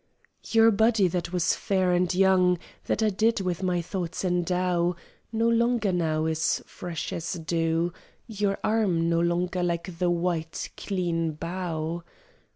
Your body that was fair and young That I did with my thoughts endow, No longer now is fresh as dew, Your arm no longer like the white, clean bough.